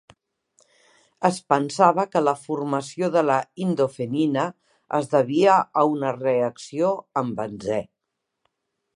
Es pensava que la formació de la indofenina es devia a una reacció amb benzè.